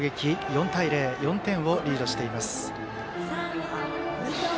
４対０、４点をリードしています。